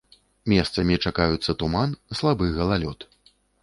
Месцамі чакаюцца туман, слабы галалёд.